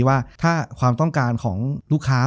จบการโรงแรมจบการโรงแรม